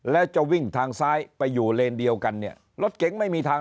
แล้วจะวิ่งทางซ้ายไปอยู่เลนเดียวกันเนี่ยรถเก๋งไม่มีทาง